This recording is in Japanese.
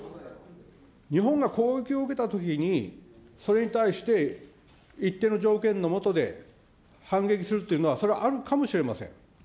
日本が攻撃を受けたときに、それに対して一定の条件の下で、反撃するっていうのはそれはあるかもしれません。